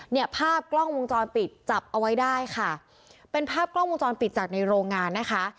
เนี่ยภาพกล้องวงจรปิดจับเอาไว้ได้ค่ะเป็นภาพกล้องวงจรปิดจากในโรงงานนะคะ